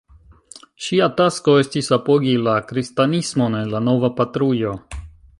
Ŝia tasko estis apogi la kristanismon en la nova patrujo.